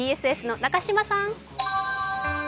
ＢＳＳの中島さん。